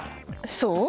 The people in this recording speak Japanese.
そう？